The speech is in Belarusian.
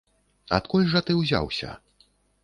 Адкуль жа ты ўзяўся?